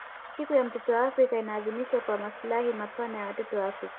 Siku ya mtoto wa Afrika inaadhimishwa kwa maslahi mapana ya watoto wa Afrika